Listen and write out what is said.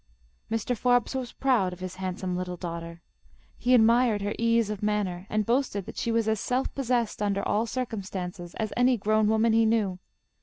Mr. Forbes was proud of his handsome little daughter. He admired her ease of manner, and boasted that she was as self possessed under all circumstances as any grown woman he knew.